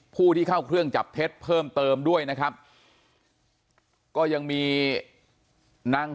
ผู้ที่เข้าเครื่องจับเท็จเพิ่มเติมด้วยนะครับก็ยังมีนาง